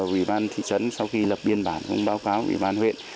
ủy ban thị trấn sau khi lập biên bản cũng báo cáo ủy ban huyện